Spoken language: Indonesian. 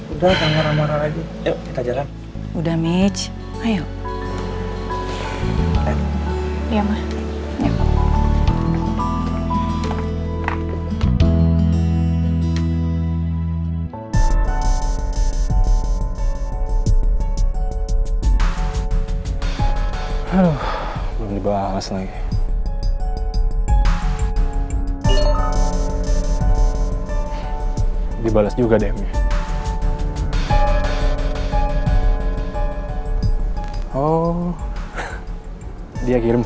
udah jangan marah marah lagi